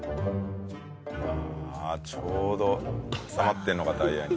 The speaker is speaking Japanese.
ああちょうど挟まってるのかタイヤに。